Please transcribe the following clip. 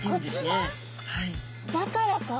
だからか。